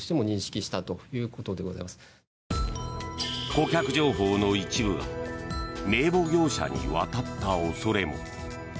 顧客情報の一部は名簿業者に渡った恐れも。